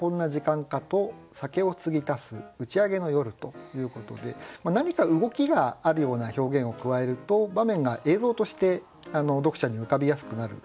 ということで何か動きがあるような表現を加えると場面が映像として読者に浮かびやすくなると思います。